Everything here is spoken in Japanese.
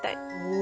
お。